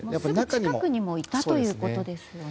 すぐ近くにもいたということですよね。